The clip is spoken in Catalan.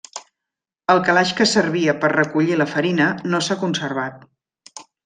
El calaix que servia per recollir la farina no s'ha conservat.